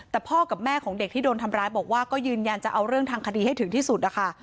แต่พ่อกับแม่ของเด็กที่โดนทำร้ายบอกว่าก็ยืนยันจะเอาเรื่องทางคดีให้ถึงที่สุดนะคะ